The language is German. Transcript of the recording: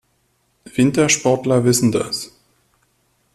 Wintersportler wissen das.